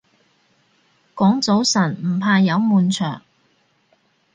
講早晨唔怕有悶場